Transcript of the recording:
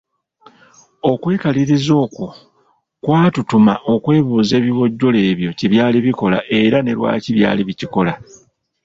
Okwekaliriza okwo kwatutuma okwebuuza ebiwojjolo ebyo kye byali bikola era ne lwaki byali bikikola.